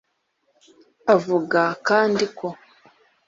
Avuga kandi ko